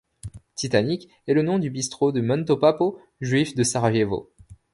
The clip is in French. Titanic est le nom du bistrot de Mento Papo, juif de Sarajevo.